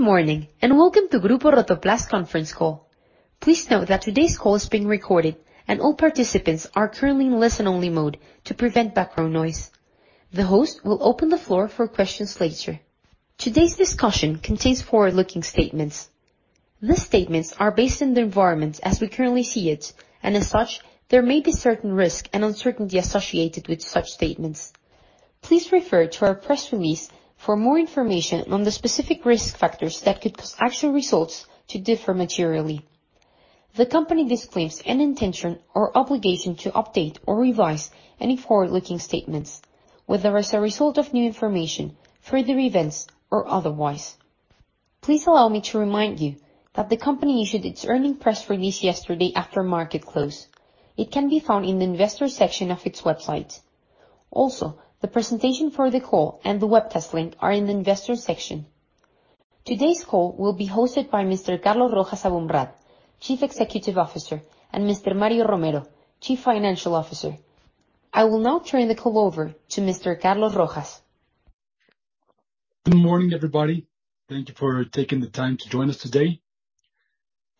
Good morning, welcome to Grupo Rotoplas conference call. Please note that today's call is being recorded, and all participants are currently in listen-only mode to prevent background noise. The host will open the floor for questions later. Today's discussion contains forward-looking statements. These statements are based on the environment as we currently see it, and as such, there may be certain risk and uncertainty associated with such statements. Please refer to our press release for more information on the specific risk factors that could cause actual results to differ materially. The company disclaims any intention or obligation to update or revise any forward-looking statements, whether as a result of new information, further events, or otherwise. Please allow me to remind you that the company issued its earning press release yesterday after market close. It can be found in the investor section of its website. The presentation for the call and the web test link are in the investor section. Today's call will be hosted by Mr. Carlos Rojas Aboumrad, Chief Executive Officer, and Mr. Mario Romero, Chief Financial Officer. I will now turn the call over to Mr. Carlos Rojas. Good morning, everybody. Thank you for taking the time to join us today.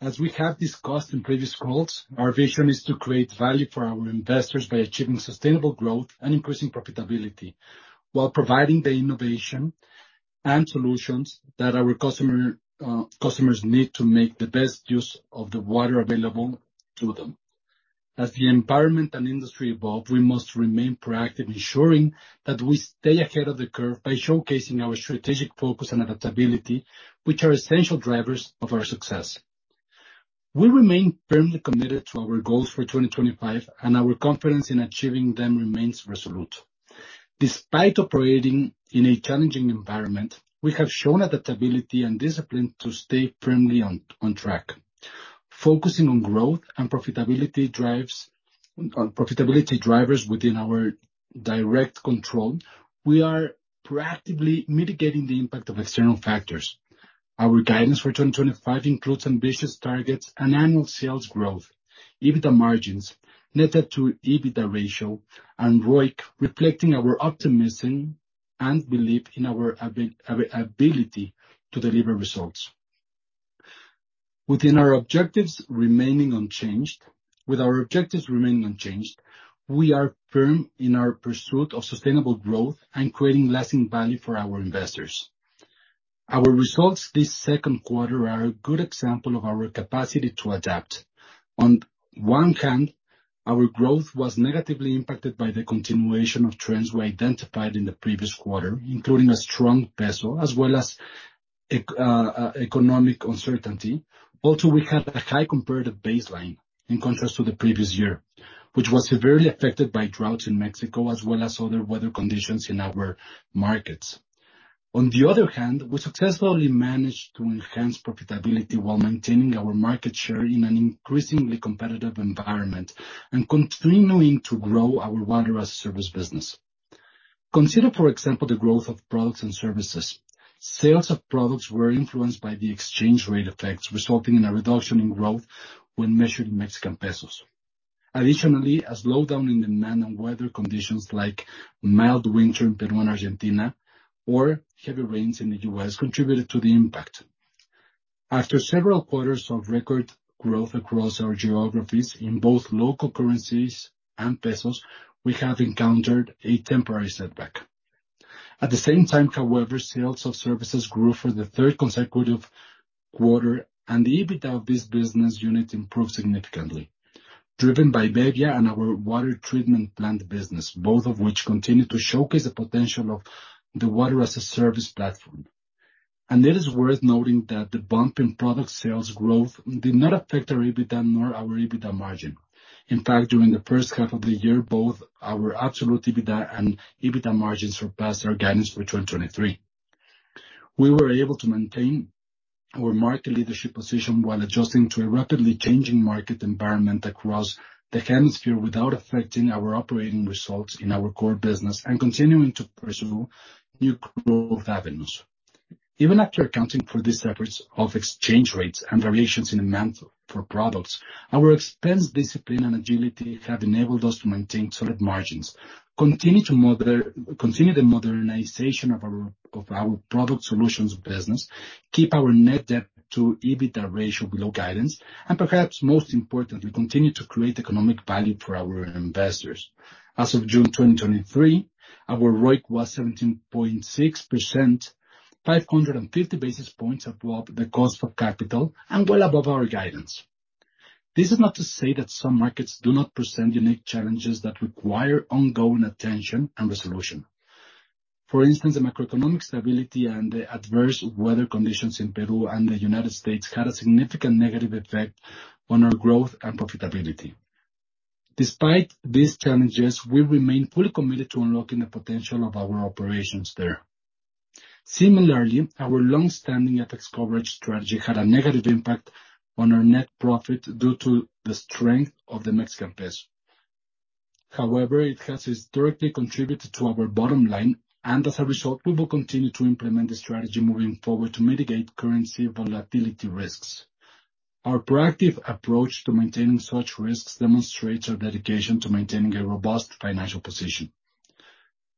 As we have discussed in previous calls, our vision is to create value for our investors by achieving sustainable growth and increasing profitability, while providing the innovation and solutions that our customer, customers need to make the best use of the water available to them. As the environment and industry evolve, we must remain proactive, ensuring that we stay ahead of the curve by showcasing our strategic focus and adaptability, which are essential drivers of our success. We remain firmly committed to our goals for 2025, and our confidence in achieving them remains resolute. Despite operating in a challenging environment, we have shown adaptability and discipline to stay firmly on track. Focusing on growth and profitability drivers within our direct control, we are proactively mitigating the impact of external factors. Our guidance for 2025 includes ambitious targets and annual sales growth, EBITDA margins, net debt to EBITDA ratio, and ROIC, reflecting our optimism and belief in our ability to deliver results. With our objectives remaining unchanged, we are firm in our pursuit of sustainable growth and creating lasting value for our investors. Our results this second quarter are a good example of our capacity to adapt. On one hand, our growth was negatively impacted by the continuation of trends we identified in the previous quarter, including a strong peso, as well as economic uncertainty. We had a high comparative baseline in contrast to the previous year, which was severely affected by droughts in Mexico, as well as other weather conditions in our markets. On the other hand, we successfully managed to enhance profitability while maintaining our market share in an increasingly competitive environment and continuing to grow our water as a service business. Consider, for example, the growth of products and services. Sales of products were influenced by the exchange rate effects, resulting in a reduction in growth when measured in Mexican pesos. Additionally, a slowdown in demand and weather conditions like mild winter in Peru and Argentina or heavy rains in the U.S. contributed to the impact. After several quarters of record growth across our geographies in both local currencies and pesos, we have encountered a temporary setback. At the same time, however, sales of services grew for the third consecutive quarter, and the EBITDA of this business unit improved significantly, driven by bebbia and our water treatment plant business, both of which continue to showcase the potential of the water-as-a-service platform. It is worth noting that the bump in product sales growth did not affect our EBITDA nor our EBITDA margin. In fact, during the first half of the year, both our absolute EBITDA and EBITDA margins surpassed our guidance for 2023. We were able to maintain our market leadership position while adjusting to a rapidly changing market environment across the hemisphere, without affecting our operating results in our core business and continuing to pursue new growth avenues. Even after accounting for these efforts of exchange rates and variations in demand for products, our expense, discipline, and agility have enabled us to maintain solid margins, continue the modernization of our product solutions business, keep our net debt to EBITDA ratio below guidance, and perhaps most importantly, continue to create economic value for our investors. As of June 2023, our ROIC was 17.6%, 550 basis points above the cost of capital and well above our guidance. This is not to say that some markets do not present unique challenges that require ongoing attention and resolution. For instance, the macroeconomic stability and the adverse weather conditions in Peru and the United States had a significant negative effect on our growth and profitability. Despite these challenges, we remain fully committed to unlocking the potential of our operations there. Similarly, our long-standing FX coverage strategy had a negative impact on our net profit due to the strength of the Mexican Peso. However, it has historically contributed to our bottom line, and as a result, we will continue to implement the strategy moving forward to mitigate currency volatility risks. Our proactive approach to maintaining such risks demonstrates our dedication to maintaining a robust financial position.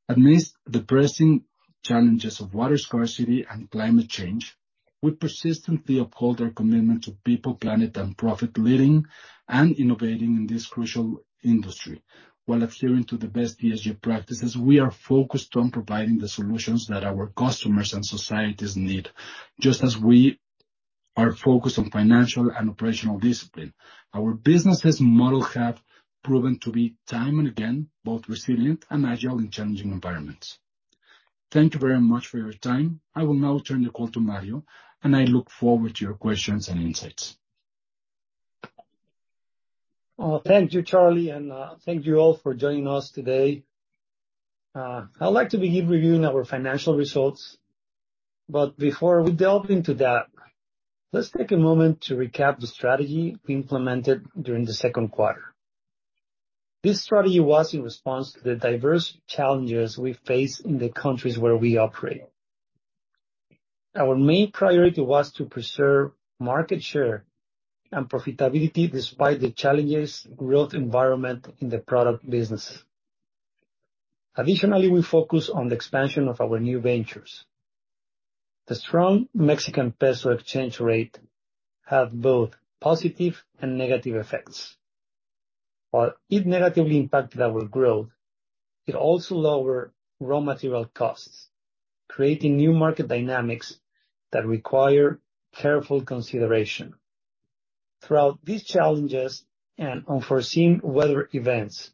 Amidst the pressing challenges of water scarcity and climate change, we persistently uphold our commitment to people, planet, and profit, leading and innovating in this crucial industry. While adhering to the best ESG practices, we are focused on providing the solutions that our customers and societies need. Just as we are focused on financial and operational discipline, our businesses model have proven to be, time and again, both resilient and agile in challenging environments. Thank you very much for your time. I will now turn the call to Mario, and I look forward to your questions and insights. Thank you, Carlos, and thank you all for joining us today. I'd like to begin reviewing our financial results. Before we delve into that, let's take a moment to recap the strategy we implemented during the second quarter. This strategy was in response to the diverse challenges we face in the countries where we operate. Our main priority was to preserve market share and profitability despite the challenges, growth, environment in the product business. Additionally, we focus on the expansion of our new ventures. The strong Mexican peso exchange rate had both positive and negative effects. While it negatively impacted our growth, it also lowered raw material costs, creating new market dynamics that require careful consideration. Throughout these challenges and unforeseen weather events,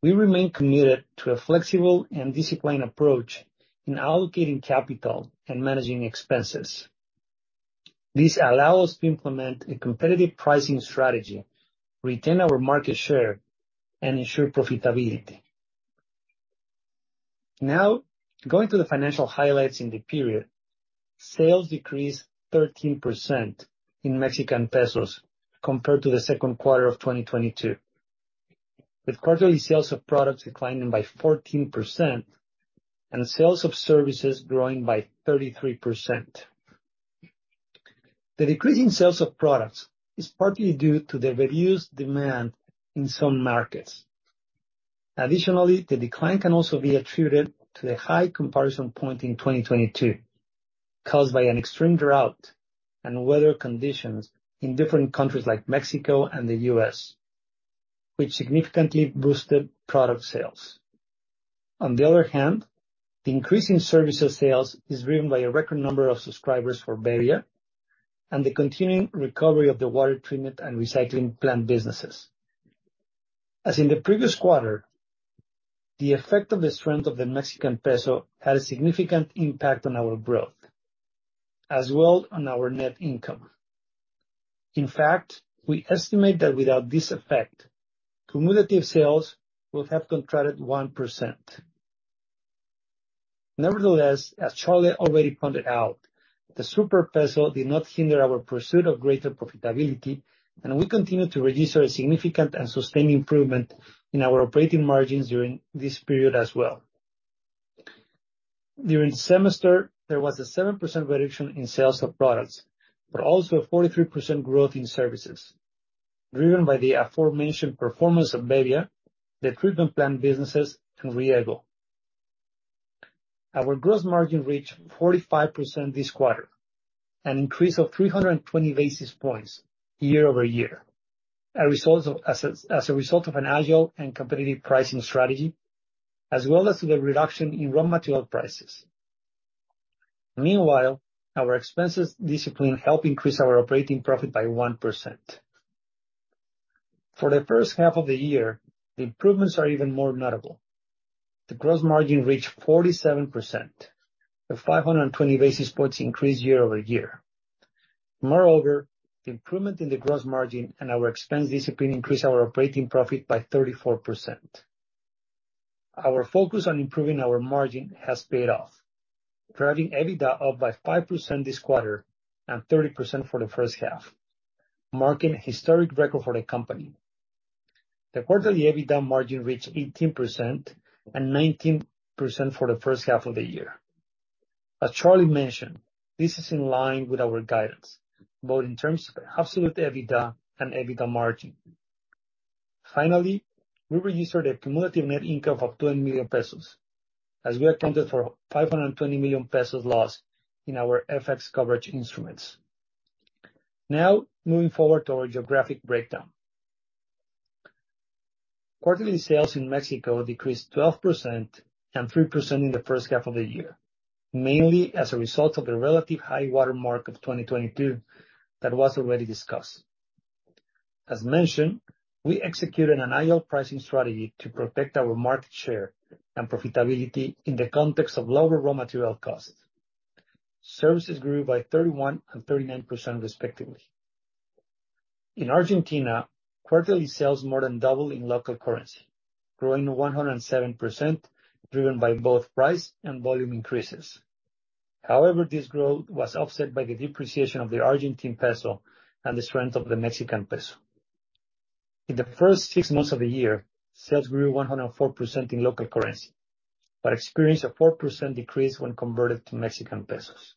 we remain committed to a flexible and disciplined approach in allocating capital and managing expenses. This allow us to implement a competitive pricing strategy, retain our market share, and ensure profitability. Going to the financial highlights in the period, sales decreased 13% in MXN compared to the second quarter of 2022, with quarterly sales of products declining by 14% and sales of services growing by 33%. The decrease in sales of products is partly due to the reduced demand in some markets. The decline can also be attributed to the high comparison point in 2022, caused by an extreme drought and weather conditions in different countries like Mexico and the U.S., which significantly boosted product sales. The increase in services sales is driven by a record number of subscribers for bebbia and the continuing recovery of the water treatment and recycling plant businesses. As in the previous quarter, the effect of the strength of the Mexican peso had a significant impact on our growth, as well on our net income. We estimate that without this effect, cumulative sales will have contracted 1%. Nevertheless, as Carlos already pointed out, the super peso did not hinder our pursuit of greater profitability, and we continued to register a significant and sustained improvement in our operating margins during this period as well. During semester, there was a 7% reduction in sales of products, but also a 43% growth in services, driven by the aforementioned performance of bebbia, the treatment plant businesses, and Riego. Our gross margin reached 45% this quarter, an increase of 320 basis points year-over-year, as a result of an agile and competitive pricing strategy, as well as the reduction in raw material prices. Our expenses discipline helped increase our operating profit by 1%. For the first half of the year, the improvements are even more notable. The gross margin reached 47%, a 520 basis points increase year-over-year. The improvement in the gross margin and our expense discipline increased our operating profit by 34%. Our focus on improving our margin has paid off, driving EBITDA up by 5% this quarter and 30% for the first half, marking a historic record for the company. The quarterly EBITDA margin reached 18% and 19% for the first half of the year. As Carlos mentioned, this is in line with our guidance, both in terms of absolute EBITDA and EBITDA margin. Finally, we registered a cumulative net income of 2 million pesos, as we accounted for 520 million pesos loss in our FX coverage instruments. Moving forward to our geographic breakdown. Quarterly sales in Mexico decreased 12% and 3% in the first half of the year, mainly as a result of the relative high-water mark of 2022 that was already discussed. As mentioned, we executed an agile pricing strategy to protect our market share and profitability in the context of lower raw material costs. Services grew by 31% and 39%, respectively. In Argentina, quarterly sales more than doubled in local currency, growing 107%, driven by both price and volume increases. This growth was offset by the depreciation of the Argentine peso and the strength of the Mexican peso. In the first six months of the year, sales grew 104% in local currency, but experienced a 4% decrease when converted to Mexican pesos.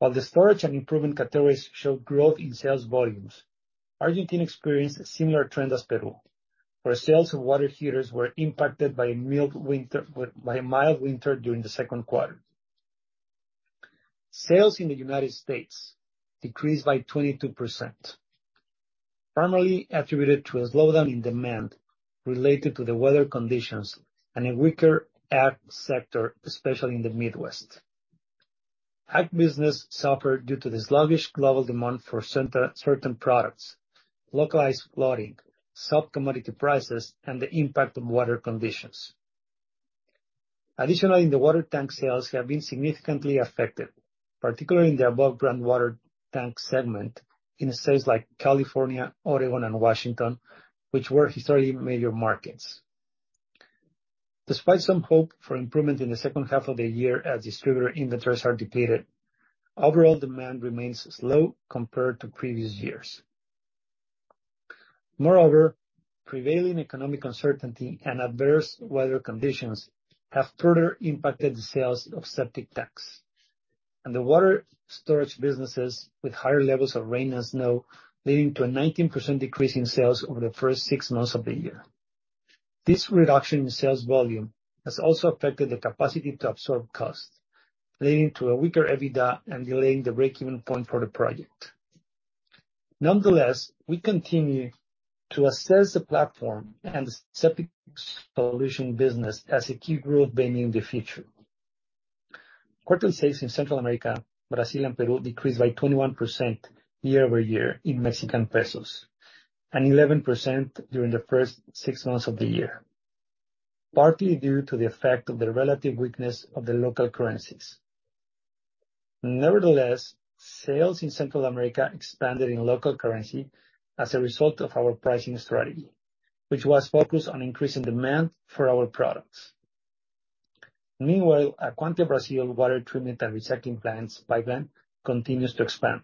While the storage and improvement categories showed growth in sales volumes, Argentina experienced a similar trend as Peru, where sales of water heaters were impacted by a mild winter during the second quarter. Sales in the United States decreased by 22%, primarily attributed to a slowdown in demand related to the weather conditions and a weaker ag sector, especially in the Midwest. Ag business suffered due to the sluggish global demand for center, certain products, localized flooding, soft commodity prices, and the impact of weather conditions. The water tank sales have been significantly affected, particularly in the above-ground water tank segment, in states like California, Oregon, and Washington, which were historically major markets. Despite some hope for improvement in the second half of the year as distributor inventories are depleted, overall demand remains slow compared to previous years. Prevailing economic uncertainty and adverse weather conditions have further impacted the sales of septic tanks and the water storage businesses, with higher levels of rain and snow, leading to a 19% decrease in sales over the first six months of the year. This reduction in sales volume has also affected the capacity to absorb costs, leading to a weaker EBITDA and delaying the break-even point for the project. Nonetheless, we continue to assess the platform and the septic solution business as a key growth vein in the future. Quarterly sales in Central America, Brazil, and Peru decreased by 21% year-over-year in Mexican pesos, and 11% during the first six months of the year, partly due to the effect of the relative weakness of the local currencies. Nevertheless, sales in Central America expanded in local currency as a result of our pricing strategy, which was focused on increasing demand for our products. Meanwhile, Acuantia Brazil water treatment and recycling plants pipeline continues to expand.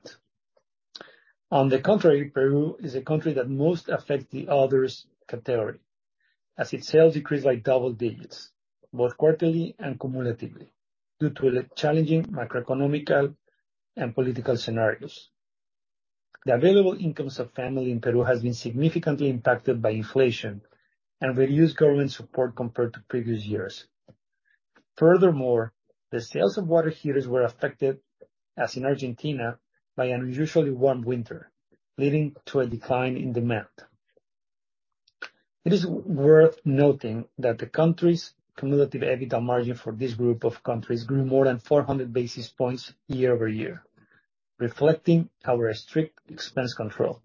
On the contrary, Peru is a country that most affect the others' category, as its sales decreased by double digits, both quarterly and cumulatively, due to the challenging macroeconomic and political scenarios. The available incomes of family in Peru has been significantly impacted by inflation and reduced government support compared to previous years. Furthermore, the sales of water heaters were affected, as in Argentina, by an unusually warm winter, leading to a decline in demand. It is worth noting that the country's cumulative EBITDA margin for this group of countries grew more than 400 basis points year-over-year, reflecting our strict expense control,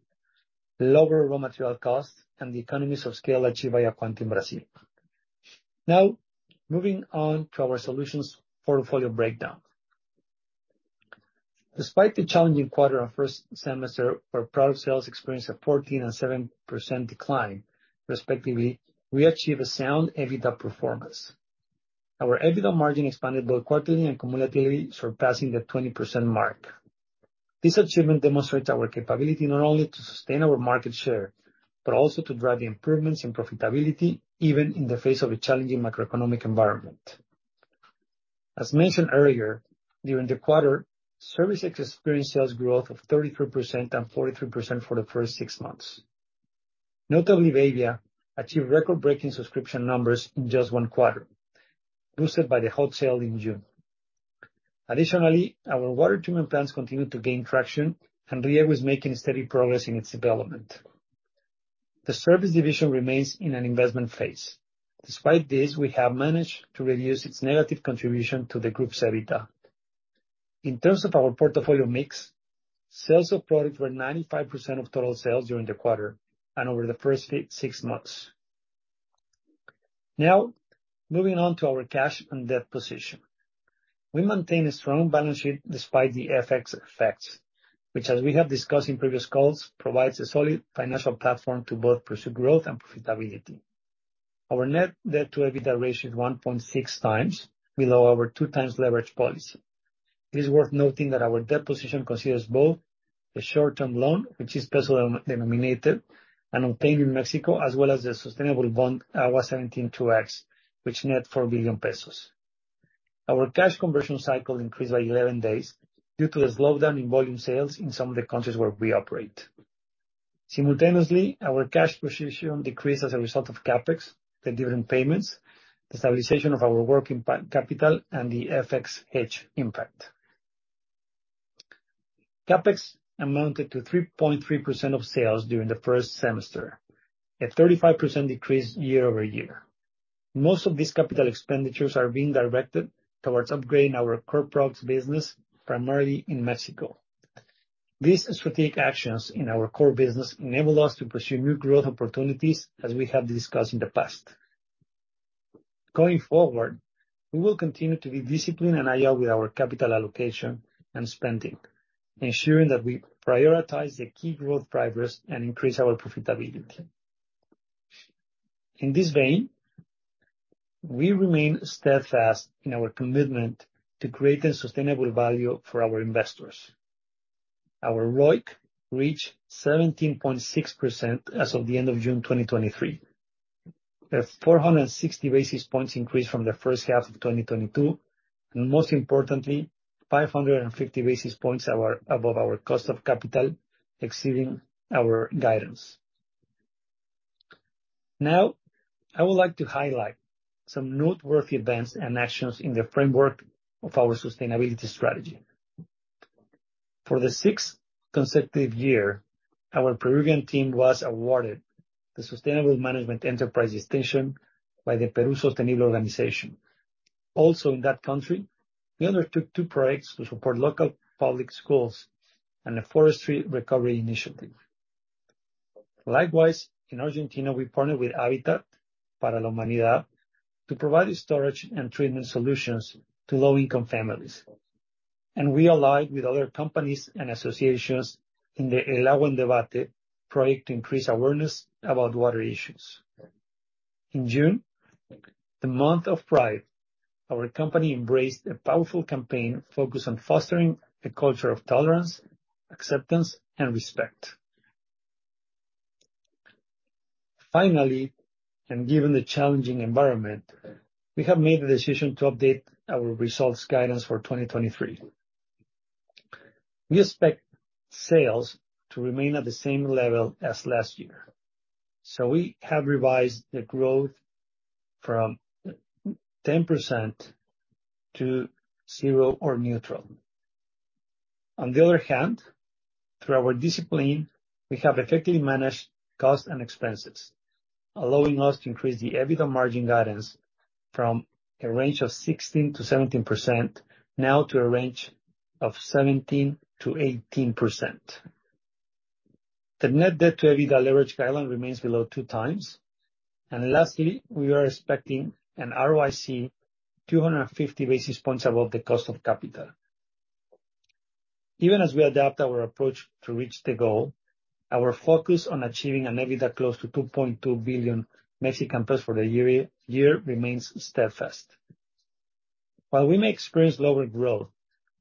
lower raw material costs, and the economies of scale achieved by Acuantia in Brazil. Moving on to our solutions portfolio breakdown. Despite the challenging quarter and first semester, where product sales experienced a 14% and 7% decline, respectively, we achieved a sound EBITDA performance. Our EBITDA margin expanded both quarterly and cumulatively, surpassing the 20% mark. This achievement demonstrates our capability not only to sustain our market share, but also to drive the improvements in profitability, even in the face of a challenging macroeconomic environment. As mentioned earlier, during the quarter, service experienced sales growth of 33% and 43% for the first 6 months. Notably, Bebia achieved record-breaking subscription numbers in just 1 quarter, boosted by the Hot Sale in June. Additionally, our water treatment plants continue to gain traction, and Rio is making steady progress in its development. The service division remains in an investment phase. Despite this, we have managed to reduce its negative contribution to the group's EBITDA. In terms of our portfolio mix, sales of product were 95% of total sales during the quarter and over the first 6 months. Moving on to our cash and debt position. We maintain a strong balance sheet despite the FX effects, which, as we have discussed in previous calls, provides a solid financial platform to both pursue growth and profitability. Our net debt to EBITDA ratio is 1.6x, below our 2x leverage policy. It is worth noting that our debt position considers both the short-term loan, which is peso-denominated, and obtained in Mexico, as well as the sustainable bond, our 17 2X, which net 4 billion pesos. Our cash conversion cycle increased by 11 days due to a slowdown in volume sales in some of the countries where we operate. Simultaneously, our cash position decreased as a result of CapEx, the dividend payments, the stabilization of our working capital, and the FX hedge impact. CapEx amounted to 3.3% of sales during the first semester, a 35% decrease year-over-year. Most of these capital expenditures are being directed towards upgrading our core products business, primarily in Mexico. These strategic actions in our core business enable us to pursue new growth opportunities, as we have discussed in the past. Going forward, we will continue to be disciplined and agile with our capital allocation and spending, ensuring that we prioritize the key growth drivers and increase our profitability. In this vein, we remain steadfast in our commitment to create a sustainable value for our investors. Our ROIC reached 17.6% as of the end of June 2023. A 460 basis points increase from the first half of 2022, and most importantly, 550 basis points above our cost of capital, exceeding our guidance. I would like to highlight some noteworthy events and actions in the framework of our sustainability strategy. For the sixth consecutive year, our Peruvian team was awarded the Sustainable Management Enterprise distinction by the Peru Sostenible organization. In that country, we undertook two projects to support local public schools and a forestry recovery initiative. In Argentina, we partnered with Habitat para la Humanidad to provide storage and treatment solutions to low-income families, and we allied with other companies and associations in the El Agua en Debate project to increase awareness about water issues. In June, the month of Pride, our company embraced a powerful campaign focused on fostering a culture of tolerance, acceptance, and respect. Finally, given the challenging environment, we have made the decision to update our results guidance for 2023. We expect sales to remain at the same level as last year. We have revised the growth from 10% to 0 or neutral. On the other hand, through our discipline, we have effectively managed costs and expenses, allowing us to increase the EBITDA margin guidance from a range of 16%-17% now to a range of 17%-18%. The net debt to EBITDA leverage guideline remains below 2x. Lastly, we are expecting an ROIC 250 basis points above the cost of capital. Even as we adapt our approach to reach the goal, our focus on achieving an EBITDA close to 2.2 billion Mexican pesos for the year remains steadfast. While we may experience lower growth,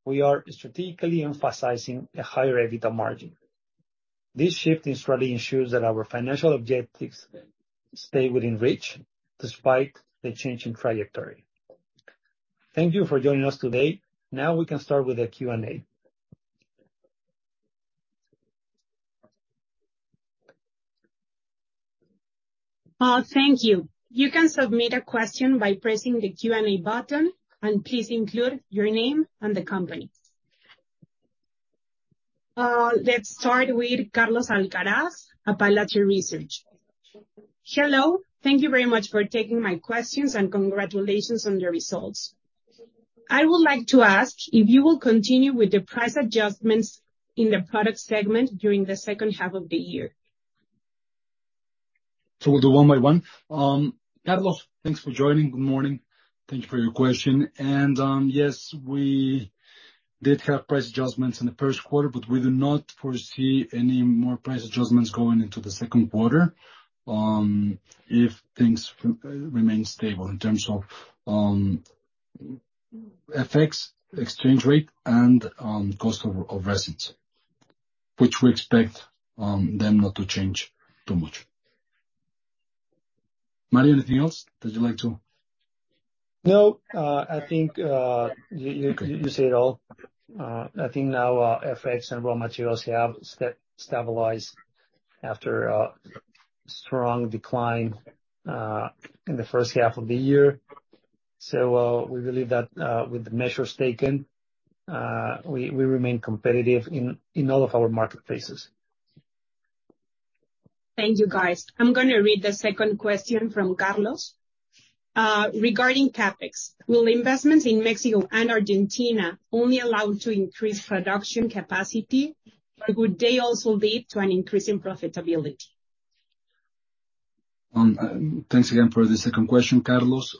we are strategically emphasizing a higher EBITDA margin. This shift in strategy ensures that our financial objectives stay within reach despite the change in trajectory. Thank you for joining us today. We can start with the Q&A. Thank you. You can submit a question by pressing the Q&A button. Please include your name and the company. Let's start with [Carlos Alcaraz at Pilater Research.] Hello, thank you very much for taking my questions. Congratulations on your results. I would like to ask if you will continue with the price adjustments in the product segment during the second half of the year? We'll do one by one. Carlos, thanks for joining. Good morning. Thank you for your question. Yes, we did have price adjustments in the first quarter, but we do not foresee any more price adjustments going into the second quarter, if things remain stable in terms of FX, exchange rate, and cost of resins, which we expect them not to change too much. Mario, anything else that you'd like to...? No, I think you said it all. I think now our FX and raw materials have stabilized after a strong decline in the first half of the year. We believe that with the measures taken, we remain competitive in all of our marketplaces. Thank you, guys. I'm gonna read the second question from Carlos. Regarding CapEx, will investments in Mexico and Argentina only allow to increase production capacity, or would they also lead to an increase in profitability? Thanks again for the second question, Carlos.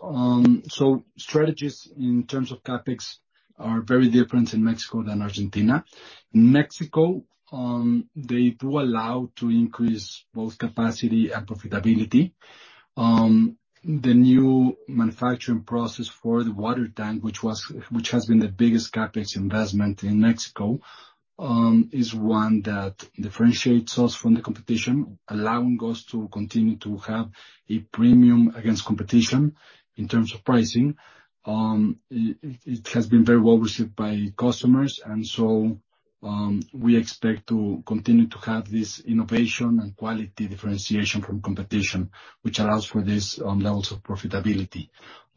Strategies in terms of CapEx are very different in Mexico than Argentina. Mexico, they do allow to increase both capacity and profitability. The new manufacturing process for the water tank, which has been the biggest CapEx investment in Mexico, is one that differentiates us from the competition, allowing us to continue to have a premium against competition in terms of pricing. It has been very well received by customers, we expect to continue to have this innovation and quality differentiation from competition, which allows for these levels of profitability.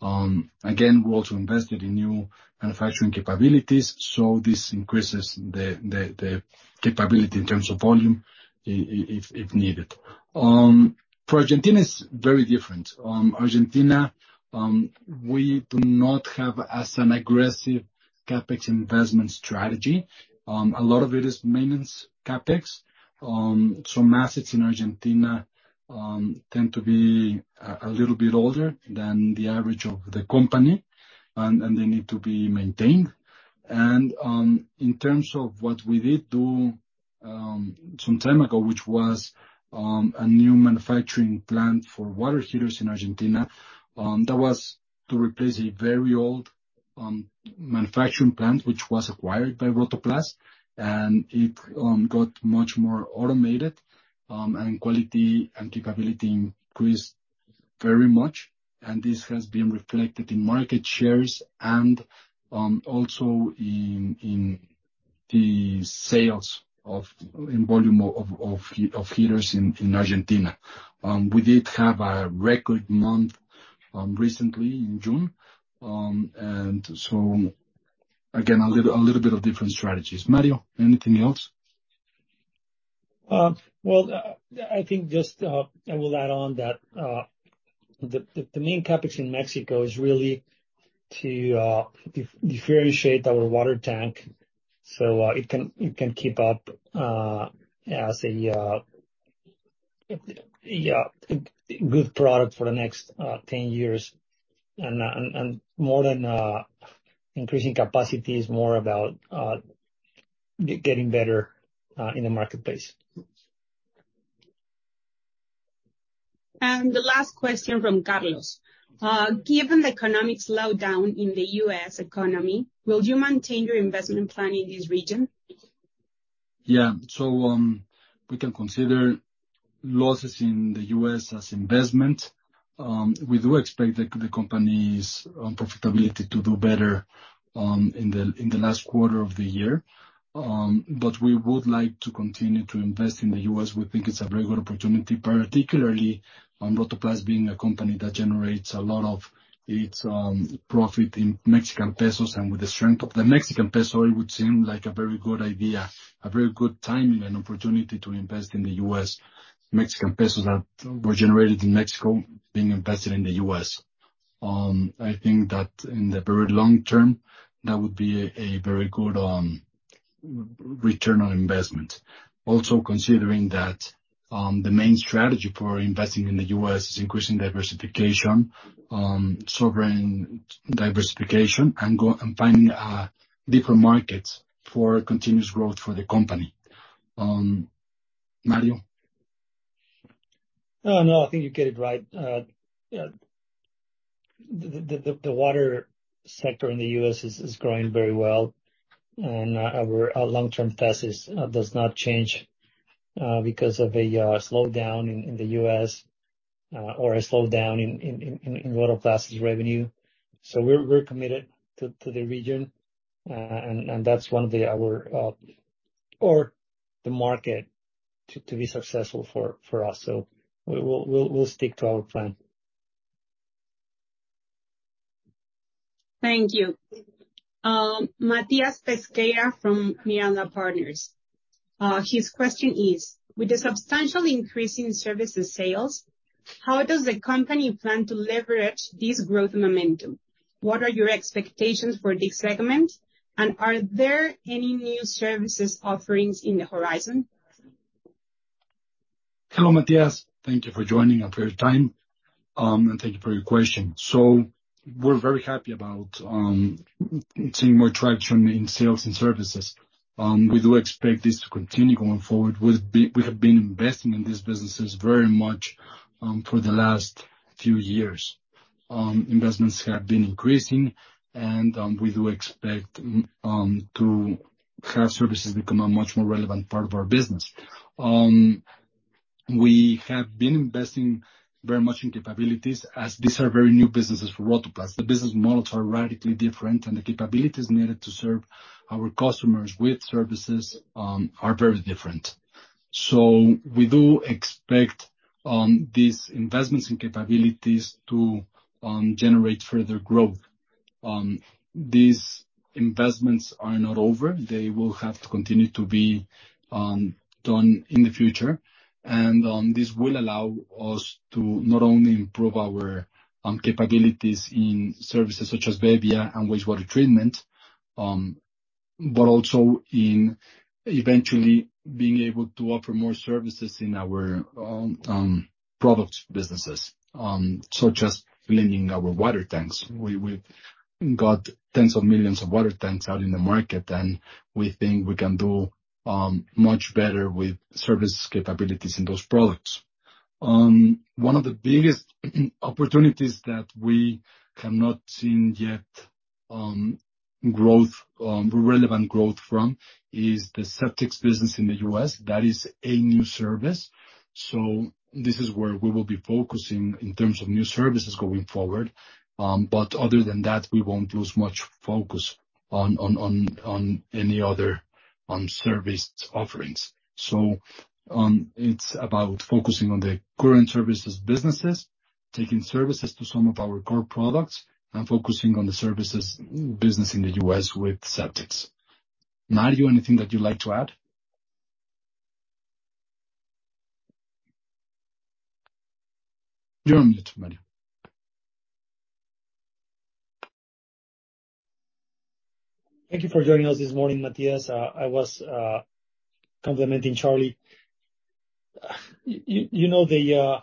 Again, we also invested in new manufacturing capabilities, this increases the capability in terms of volume if needed. For Argentina, it's very different. Argentina, we do not have as an aggressive CapEx investment strategy. A lot of it is maintenance CapEx. Some assets in Argentina tend to be a little bit older than the average of the company, and they need to be maintained. In terms of what we did some time ago, which was a new manufacturing plant for water heaters in Argentina, that was to replace a very old manufacturing plant, which was acquired by Rotoplas. It got much more automated, and quality and capability increased very much, and this has been reflected in market shares and also in the sales in volume of heaters in Argentina. We did have a record month recently in June. Again, a little bit of different strategies. Mario, anything else? Well, I think just I will add on that, the main CapEx in Mexico is really to differentiate our water tank, so it can keep up as a good product for the next 10 years. More than increasing capacity is more about getting better in the marketplace. The last question from Carlos: Given the economic slowdown in the U.S. economy, will you maintain your investment plan in this region? Yeah. We can consider losses in the U.S. as investment. We do expect the company's profitability to do better in the last quarter of the year. We would like to continue to invest in the U.S.. We think it's a very good opportunity, particularly on Rotoplas, being a company that generates a lot of its profit in Mexican pesos, and with the strength of the Mexican peso, it would seem like a very good idea, a very good timing and opportunity to invest in the U.S.. Mexican pesos that were generated in Mexico being invested in the U.S.. I think that in the very long term, that would be a very good return on investment. Considering that, the main strategy for investing in the U.S. is increasing diversification, sovereign diversification, and finding different markets for continuous growth for the company. Mario? No, I think you get it right. The water sector in the U.S. is growing very well, our long-term thesis does not change because of a slowdown in the U.S. or a slowdown in Roto Plas' revenue. We're committed to the region, and that's one of the our or the market to be successful for us. We'll stick to our plan. Thank you. [Matthias Pesqueira from Miyanga Partners]. His question is: With the substantial increase in services sales, how does the company plan to leverage this growth momentum? What are your expectations for this segment, and are there any new services offerings in the horizon? Hello, Matthias. Thank you for joining at your time, and thank you for your question. We're very happy about seeing more traction in sales and services. We do expect this to continue going forward. We have been investing in these businesses very much for the last few years. Investments have been increasing, and we do expect to have services become a much more relevant part of our business. We have been investing very much in capabilities, as these are very new businesses for Rotoplas. The business models are radically different, and the capabilities needed to serve our customers with services are very different. We do expect these investments and capabilities to generate further growth. These investments are not over. They will have to continue to be done in the future, and this will allow us to not only improve our capabilities in services such as Veolia and wastewater treatment, but also in eventually being able to offer more services in our product businesses, such as lending our water tanks. We've got tens of millions of water tanks out in the market, and we think we can do much better with service capabilities in those products. One of the biggest opportunities that we have not seen yet, growth, relevant growth from, is the septics business in the U.S.. That is a new service, so this is where we will be focusing in terms of new services going forward. Other than that, we won't lose much focus on any other service offerings. It's about focusing on the current services businesses, taking services to some of our core products, and focusing on the services business in the U.S. with septics. Mario, anything that you'd like to add? You're on mute, Mario. Thank you for joining us this morning, Matthias. I was complimenting Carlos. You know, the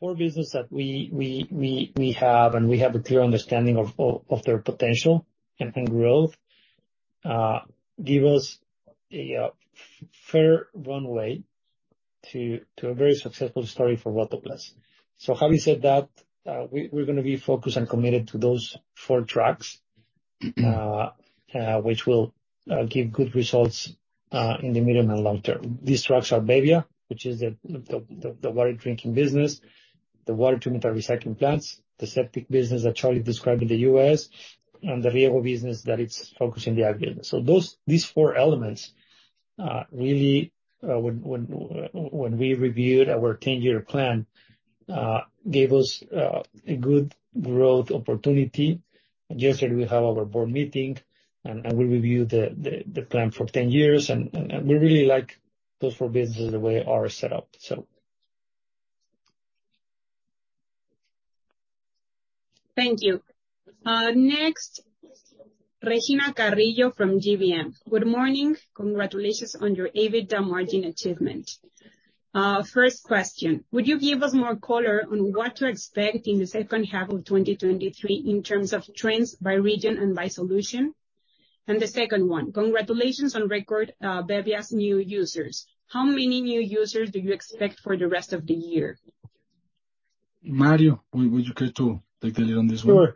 four business that we have, and we have a clear understanding of their potential and growth, give us a fair runway to a very successful story for Rotoplas. Having said that, we're gonna be focused and committed to those four tracks, which will give good results in the medium and long term. These tracks are bebbia, which is the water drinking business, the water treatment and recycling plants, the septic business that Carlos described in the U.S., and the Riego business that it's focused in the ag business. These four elements, really, when we reviewed our 10-year plan, gave us a good growth opportunity. Yesterday, we had our board meeting, and we reviewed the plan for 10 years, and we really like those four businesses, the way are set up, so. Thank you. Next, Regina Carrillo from GBM. Good morning. Congratulations on your EBITDA margin achievement. First question: Would you give us more color on what to expect in the second half of 2023 in terms of trends by region and by solution? The second one, congratulations on record, bebbia's new users. How many new users do you expect for the rest of the year? Mario, would you care to take the lead on this one? Sure.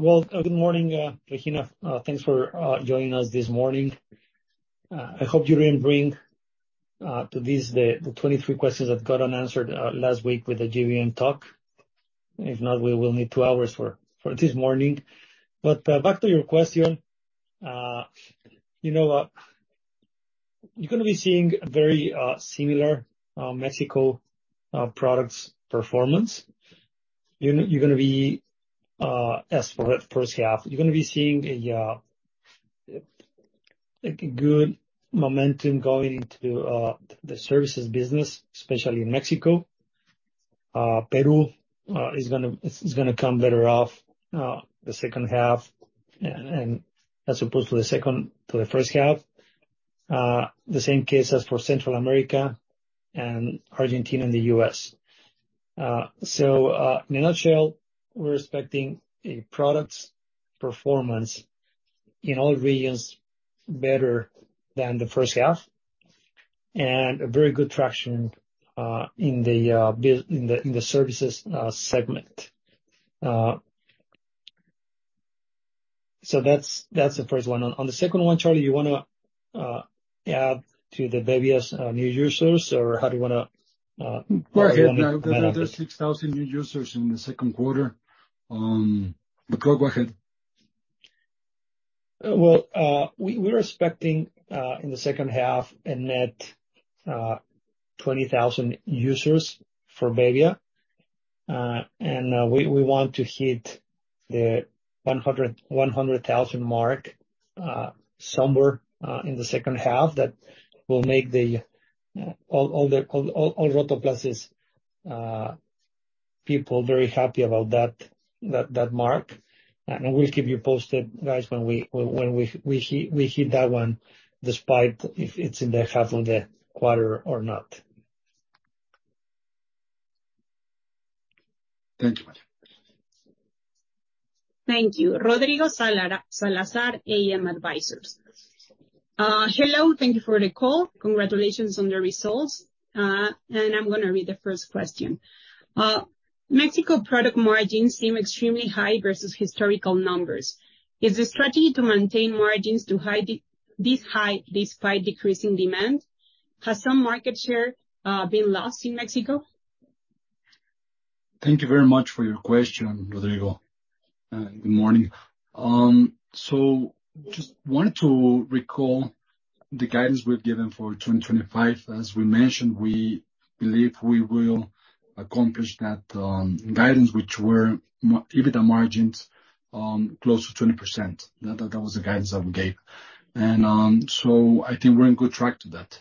Well, good morning, Regina. Thanks for joining us this morning. I hope you didn't bring to this the 23 questions that got unanswered last week with the GBM talk. If not, we will need 2 hours for this morning. Back to your question, you know, you're gonna be seeing a very similar Mexico products performance. You're gonna be, as for first half, you're gonna be seeing a good momentum going into the services business, especially in Mexico. Peru is gonna come better off the second half, and as opposed to the second, to the first half. The same case as for Central America and Argentina and the U.S. In a nutshell, we're expecting a products performance in all regions better than the first half, and a very good traction in the services segment. That's the first one. On the second one, Carlos, you wanna add to the bebbia's new users, or how do you wanna? Go ahead. There's 6,000 new users in the second quarter. Go ahead. Well, we're expecting in the second half, a net 20,000 users for bebbia. We want to hit the 100,000 mark somewhere in the second half. That will make all the Grupo Rotoplas's people very happy about that mark. We'll keep you posted, guys, when we hit that one, despite if it's in the half of the quarter or not. Thank you, Mario. Thank you. Rodrigo Salazar, AM Advisors. Hello, thank you for the call. Congratulations on the results. I'm gonna read the first question. Mexico product margins seem extremely high versus historical numbers. Is the strategy to maintain margins to this high, despite decreasing demand? Has some market share been lost in Mexico? Thank you very much for your question, Rodrigo. Good morning. Just wanted to recall the guidance we've given for 2025. As we mentioned, we believe we will accomplish that guidance, which were EBITDA margins close to 20%. That was the guidance that we gave. I think we're on good track to that.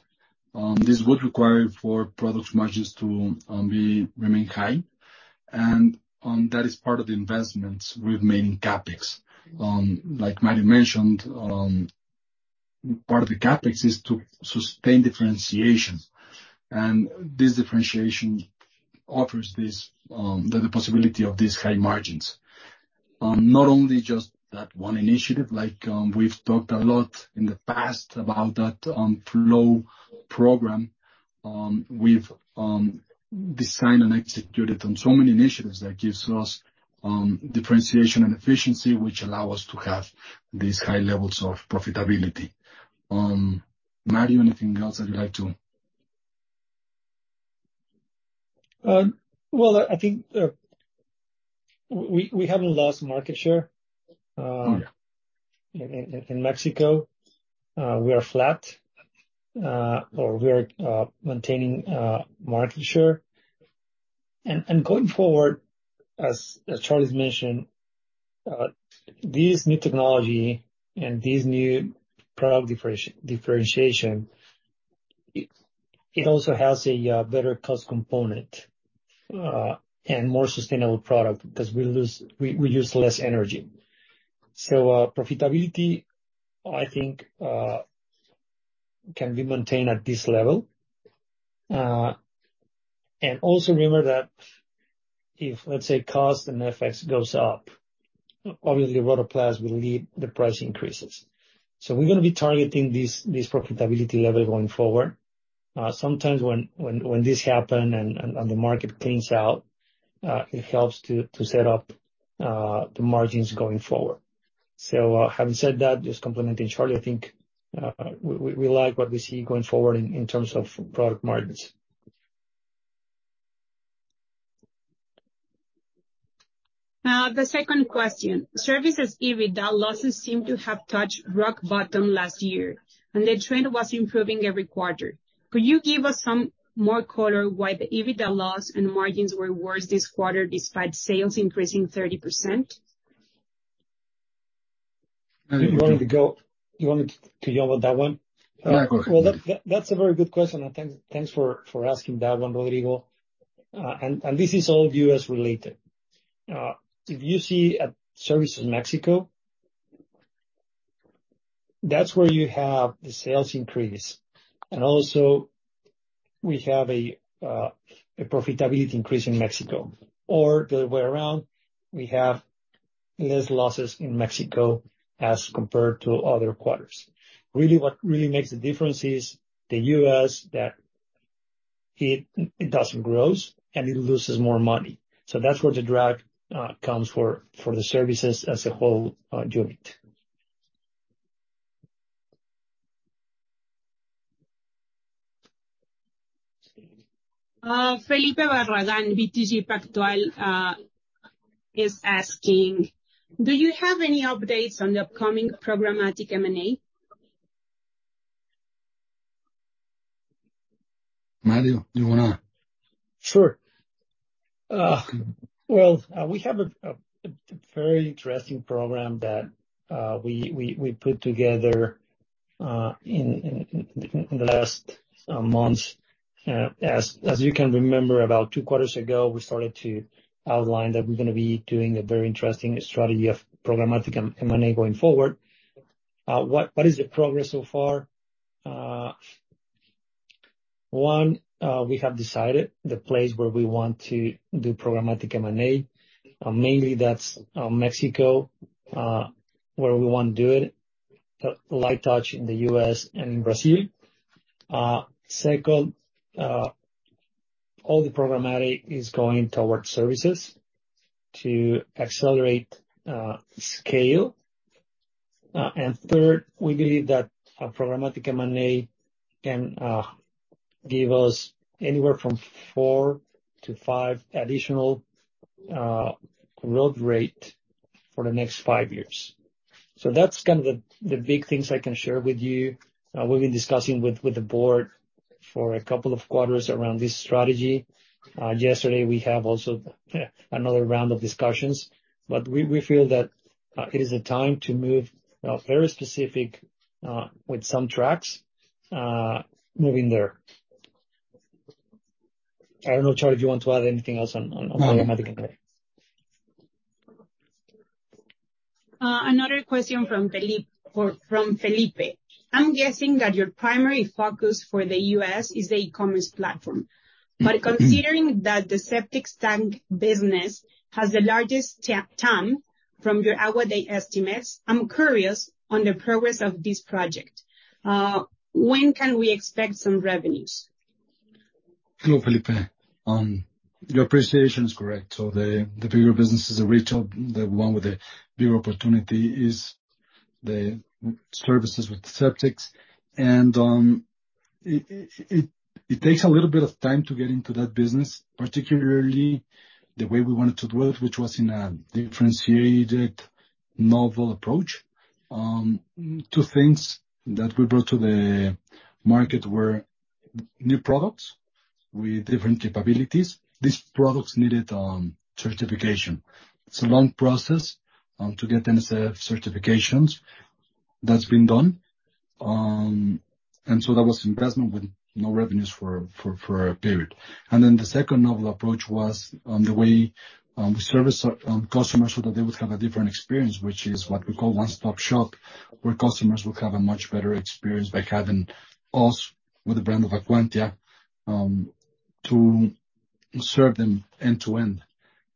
This would require for product margins to be remain high, that is part of the investments we've made in CapEx. Like Mario mentioned, part of the CapEx is to sustain differentiation, this differentiation offers this the possibility of these high margins. Not only just that one initiative, like, we've talked a lot in the past about that, flow program, we've designed and executed on so many initiatives that gives us differentiation and efficiency, which allow us to have these high levels of profitability. Mario, anything else that you'd like to...? Well, I think, we haven't lost market share. No... In Mexico. We are flat or we are maintaining market share. Going forward, as Carlos's mentioned, this new technology and this new product differentiation, it also has a better cost component. More sustainable product because we use less energy. Profitability, I think, can be maintained at this level. Also remember that if, let's say, cost and FX goes up, obviously, Rotoplas will lead the price increases. We're gonna be targeting this profitability level going forward. Sometimes when this happen and the market cleans out, it helps to set up the margins going forward. Having said that, just complementing Carlos, I think, we like what we see going forward in terms of product margins. the second question: Services EBITDA losses seem to have touched rock bottom last year, and the trend was improving every quarter. Could you give us some more color why the EBITDA loss and margins were worse this quarter, despite sales increasing 30%? You wanted to go over that one? Yeah, go ahead. Well, that's a very good question, and thanks for asking that one, Rodrigo. This is all U.S. related. If you see at services Mexico, that's where you have the sales increase, and also we have a profitability increase in Mexico, or the other way around, we have less losses in Mexico as compared to other quarters. Really, what really makes the difference is the U.S., that it doesn't grow, and it loses more money. That's where the drag comes for the services as a whole unit. Felipe Barragán, BTG Pactual, is asking: Do you have any updates on the upcoming programmatic M&A? Mario, you wanna? Sure. Well, we have a very interesting program that we put together in the last months. As you can remember, about 2 quarters ago, we started to outline that we're gonna be doing a very interesting strategy of programmatic M&A going forward. What is the progress so far? One, we have decided the place where we want to do programmatic M&A, mainly that's Mexico, where we want to do it, but light touch in the U.S. and in Brazil. Second, all the programmatic is going towards services to accelerate scale. Third, we believe that a programmatic M&A can give us anywhere from 4-5 additional growth rate for the next five years. That's kind of the big things I can share with you. We've been discussing with the board for a couple of quarters around this strategy. Yesterday, we have also another round of discussions, but we feel that it is the time to move very specific with some tracks moving there. I don't know, Carlos, if you want to add anything else on programmatic? No. Another question from Felipe. I'm guessing that your primary focus for the U.S. is the e-commerce platform. Mm-hmm. Considering that the septic tank business has the largest TAM from your outward estimates, I'm curious on the progress of this project. When can we expect some revenues? Hello, Felipe. Your appreciation is correct. The bigger businesses are retail. The one with the bigger opportunity is the services with the septics. It takes a little bit of time to get into that business, particularly the way we wanted to do it, which was in a differentiated, novel approach. Two things that we brought to the market were new products with different capabilities. These products needed certification. It's a long process to get the certifications. That's been done. That was investment with no revenues for a period. The second novel approach was on the way, we service customers so that they would have a different experience, which is what we call one-stop shop, where customers will have a much better experience by having us, with the brand of Acuantia, to serve them end-to-end.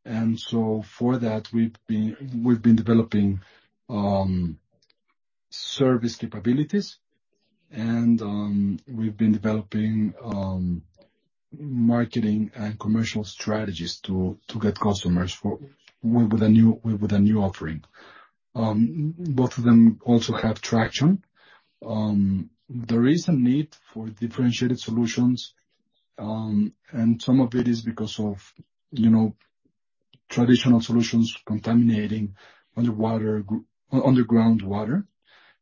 For that, we've been developing service capabilities, and we've been developing marketing and commercial strategies to get customers with a new offering. Both of them also have traction. There is a need for differentiated solutions, and some of it is because of, you know, traditional solutions contaminating underwater, underground water.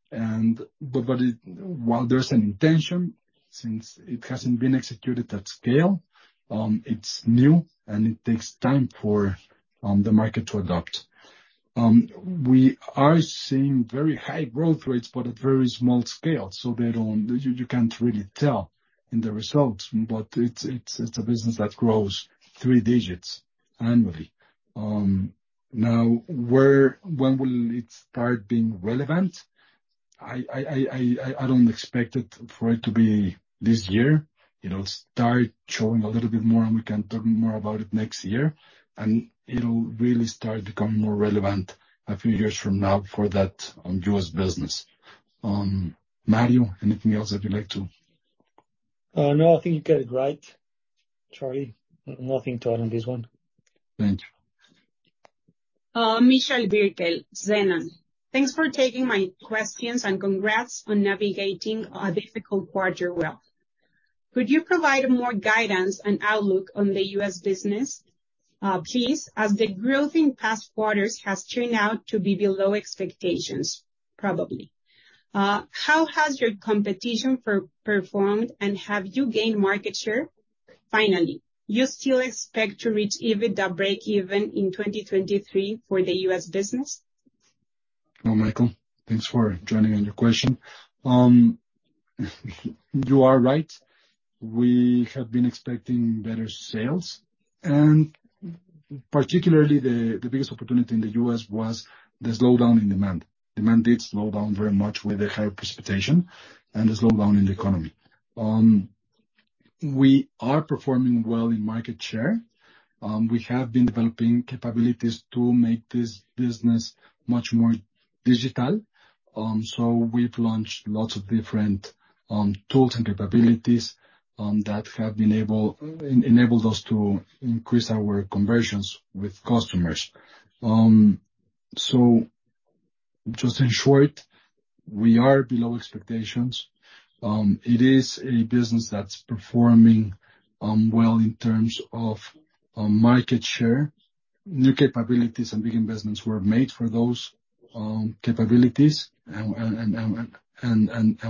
While there's an intention, since it hasn't been executed at scale, it's new, and it takes time for the market to adopt. We are seeing very high growth rates, but at very small scale, so they don't, you, you can't really tell in the results. it's a business that grows three digits annually. Now, when will it start being relevant? I don't expect it for it to be this year. It'll start showing a little bit more, and we can talk more about it next year, and it'll really start becoming more relevant a few years from now for that U.S. business. Mario, anything else that you'd like to? No, I think you got it right, Carlos. Nothing to add on this one. Thank you. [Michelle Virgil, Zenon]. Thanks for taking my questions, congrats on navigating a difficult quarter well. Could you provide more guidance and outlook on the U.S. business, please, as the growth in past quarters has turned out to be below expectations, probably. How has your competition performed, have you gained market share? Finally, do you still expect to reach EBITDA breakeven in 2023 for the U.S. business? Well, Michael, thanks for joining on your question. You are right. We have been expecting better sales, and particularly the biggest opportunity in the U.S. was the slowdown in demand. Demand did slow down very much with the high precipitation and the slowdown in the economy. We are performing well in market share. We have been developing capabilities to make this business much more digital. We've launched lots of different tools and capabilities that have enabled us to increase our conversions with customers. Just in short, we are below expectations. It is a business that's performing well in terms of market share. New capabilities and big investments were made for those capabilities, and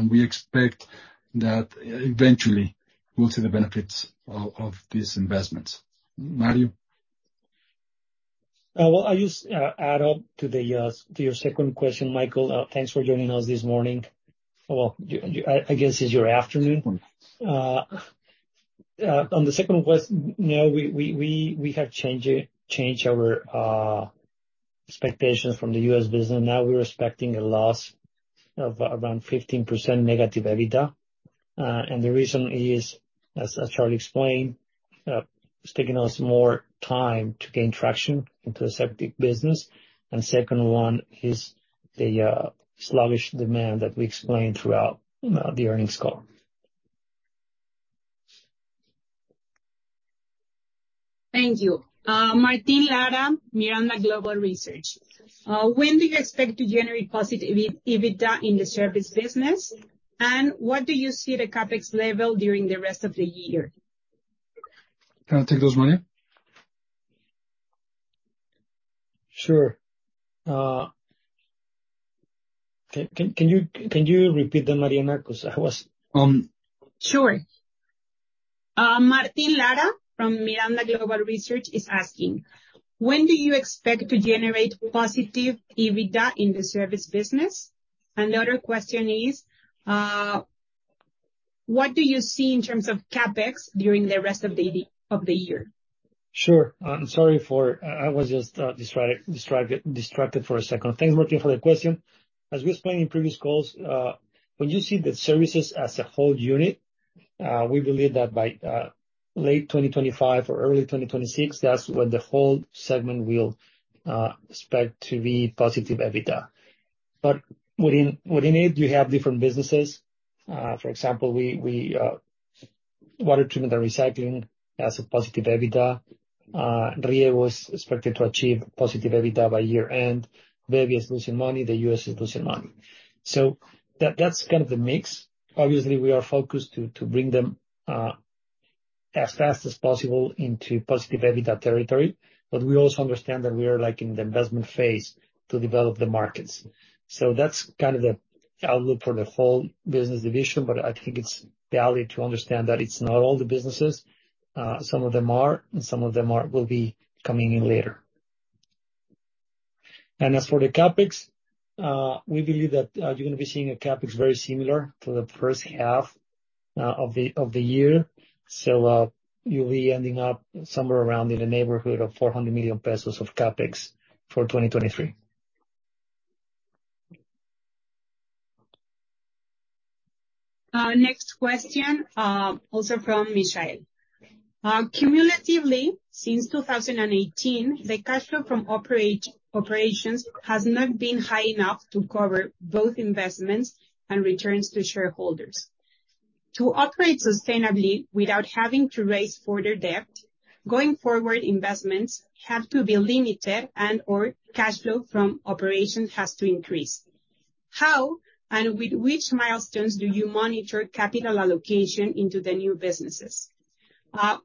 we expect that eventually we'll see the benefits of these investments. Mario? Well, I'll just add on to the to your second question, Michael. Thanks for joining us this morning. Well, I guess it's your afternoon. On the second question, no, we have changed our expectations from the U.S. business. Now we're expecting a loss of around 15% negative EBITDA. The reason is, as Carlos explained, it's taking us more time to gain traction into the septic business. Second one is the sluggish demand that we explained throughout the earnings call. Thank you. Martin Lara, Miranda Global Research. When do you expect to generate positive EBITDA in the service business, and what do you see the CapEx level during the rest of the year? Can I take those, Mario? Sure. Can you repeat them, Martin? I was. Sure. Martin Lara from Miranda Global Research is asking: When do you expect to generate positive EBITDA in the service business? The other question is, what do you see in terms of CapEx during the rest of the year? Sure. I'm sorry for... I was just distracted for a second. Thanks, Martin, for the question. As we explained in previous calls, when you see the services as a whole unit, we believe that by late 2025 or early 2026, that's when the whole segment will expect to be positive EBITDA. Within it, we have different businesses. For example, Water Treatment and Recycling has a positive EBITDA. RIE was expected to achieve positive EBITDA by year-end. Baby is losing money, the U.S. is losing money. That's kind of the mix. Obviously, we are focused to bring them as fast as possible into positive EBITDA territory, but we also understand that we are, like, in the investment phase to develop the markets. That's kind of the outlook for the whole business division, but I think it's valuable to understand that it's not all the businesses. some of them are will be coming in later. As for the CapEx, we believe that, you're gonna be seeing a CapEx very similar to the first half, of the, of the year. You'll be ending up somewhere around in the neighborhood of 400 million pesos of CapEx for 2023. Next question, also from Michelle. Cumulatively, since 2018, the cash flow from operations has not been high enough to cover both investments and returns to shareholders. To operate sustainably without having to raise further debt, going forward, investments have to be limited and/or cash flow from operations has to increase. How and with which milestones do you monitor capital allocation into the new businesses?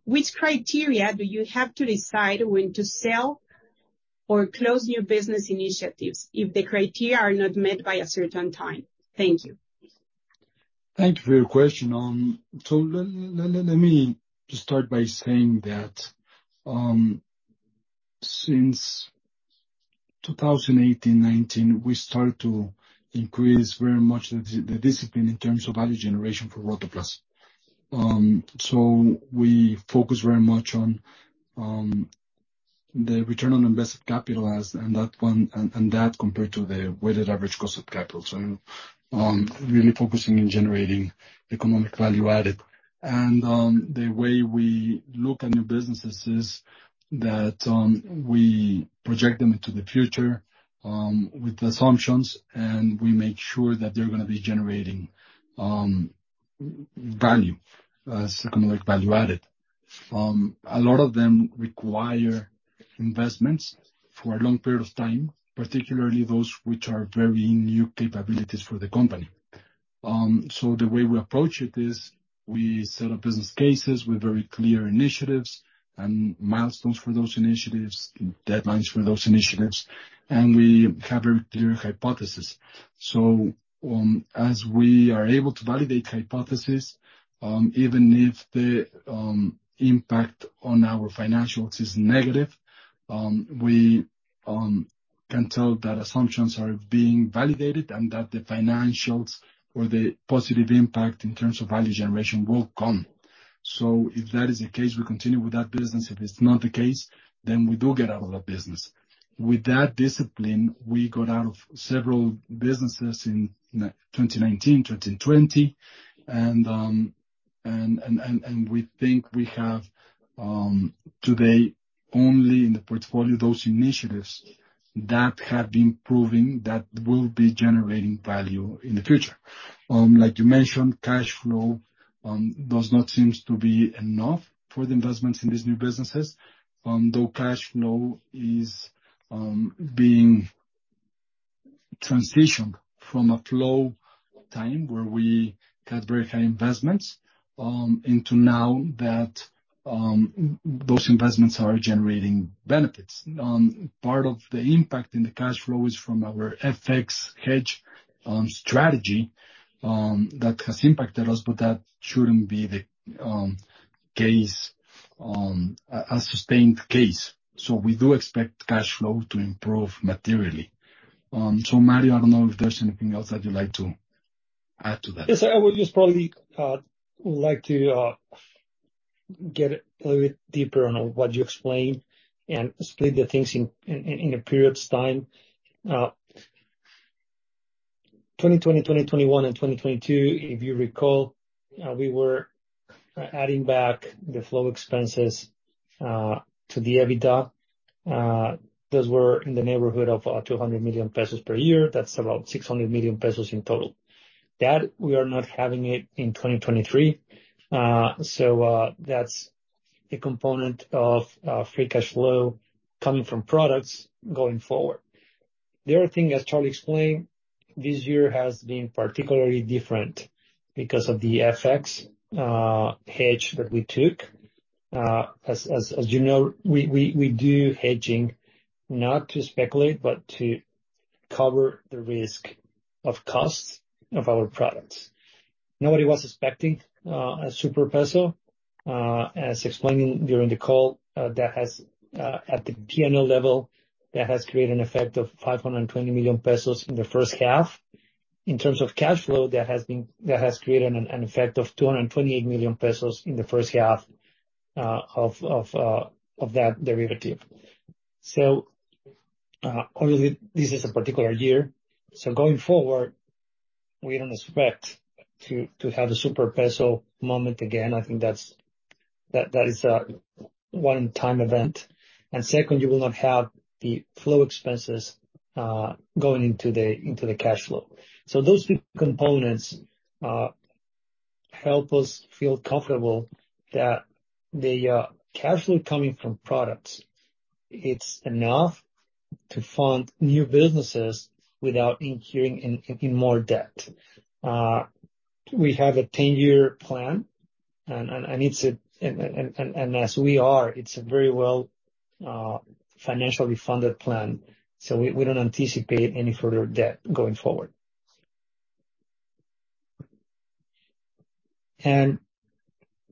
Which criteria do you have to decide when to sell or close new business initiatives if the criteria are not met by a certain time? Thank you. Thank you for your question. Let me just start by saying that since 2018, 2019, we started to increase very much the discipline in terms of value generation for Rotoplas. We focus very much on the return on invested capital as, and that one, and that compared to the weighted average cost of capital. Really focusing on generating economic value added. The way we look at new businesses is that we project them into the future with assumptions, and we make sure that they're gonna be generating value, economic value added. A lot of them require investments for a long period of time, particularly those which are very new capabilities for the company. The way we approach it is, we set up business cases with very clear initiatives and milestones for those initiatives, and deadlines for those initiatives, and we have a clear hypothesis. As we are able to validate hypothesis, even if the impact on our financials is negative, we can tell that assumptions are being validated, and that the financials or the positive impact in terms of value generation will come. If that is the case, we continue with that business. If it's not the case, we do get out of that business. With that discipline, we got out of several businesses in 2019, 2020, and we think we have today, only in the portfolio, those initiatives that have been proven that will be generating value in the future. Like you mentioned, cash flow does not seems to be enough for the investments in these new businesses, though cash flow is being transitioned from a flow time where we had very high investments into now that those investments are generating benefits. Part of the impact in the cash flow is from our FX hedge strategy that has impacted us, but that shouldn't be the case, a sustained case. We do expect cash flow to improve materially. Mario, I don't know if there's anything else that you'd like to add to that? Yes, I would just probably would like to get a little bit deeper on what you explained and split the things in a period's time. 2020, 2021, and 2022, if you recall, we were adding back the flow expenses to the EBITDA. Those were in the neighborhood of 200 million pesos per year. That's about 600 million pesos in total. We are not having it in 2023, so that's a component of free cash flow coming from products going forward. The other thing, as Carlos explained, this year has been particularly different because of the FX hedge that we took. As you know, we do hedging not to speculate, but to cover the risk of costs of our products. Nobody was expecting, a super peso, as explained during the call, that has, at the GNL level, that has created an effect of 520 million pesos in the first half. In terms of cash flow, that has created an effect of 228 million pesos in the first half, of that derivative. Obviously, this is a particular year, so going forward, we don't expect to have a super peso moment again. I think that is a one-time event. Second, you will not have the flow expenses, going into the cash flow. Those two components, help us feel comfortable that the cash flow coming from products, it's enough to fund new businesses without incurring in more debt. We have a 10-year plan, and it's a very well financially funded plan, so we don't anticipate any further debt going forward.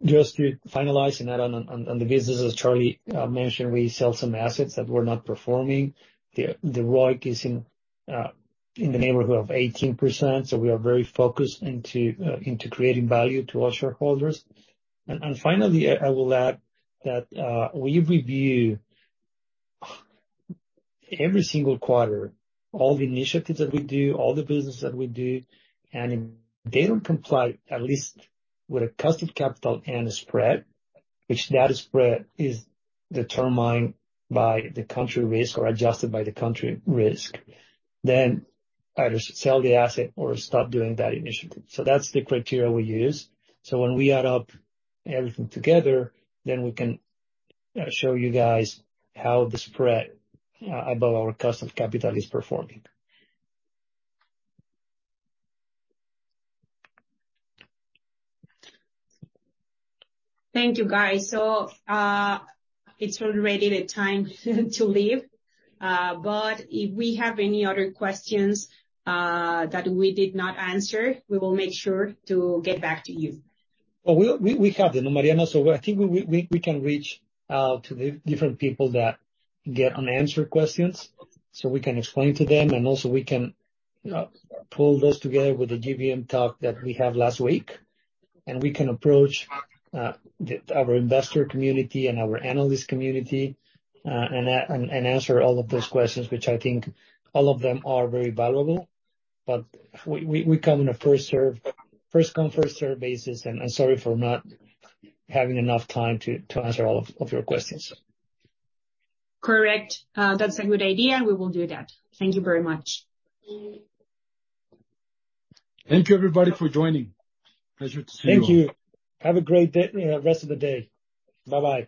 Just to finalize on the businesses Carlos mentioned, we sell some assets that were not performing. The ROIC is in the neighborhood of 18%, so we are very focused into creating value to our shareholders. Finally, I will add that we review every single quarter, all the initiatives that we do, all the business that we do, and if they don't comply, at least with a cost of capital and a spread, which that spread is determined by the country risk or adjusted by the country risk, then either sell the asset or stop doing that initiative. That's the criteria we use. When we add up everything together, we can show you guys how the spread above our cost of capital is performing. Thank you, guys. It's already the time to leave, but if we have any other questions, that we did not answer, we will make sure to get back to you. We have them, Mariana, I think we can reach out to the different people that get unanswered questions, so we can explain to them. Also, we can pull this together with the GBM talk that we had last week, and we can approach the, our investor community and our analyst community, and answer all of those questions, which I think all of them are very valuable. We come on a first-come, first-serve basis, and sorry for not having enough time to answer all of your questions. Correct. That's a good idea. We will do that. Thank you very much. Thank you, everybody, for joining. Pleasure to see you all. Thank you. Have a great day, rest of the day. Bye-bye.